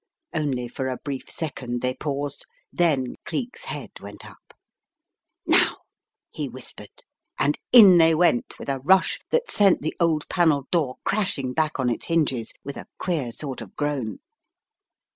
Only for a brief second they paused, then Cleek's head went up. "Now," he whispered, and in they went, with a rush that sent the old panelled door crashing back on its hinges with a queer sort of groan.